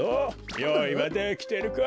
よういはできてるか？